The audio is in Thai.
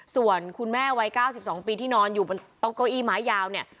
ส่วนคุณแม่วัย๙๒ปีที่นอนอยู่บนโต๊ะเก้าอี้ไม้ยาวเนี่ย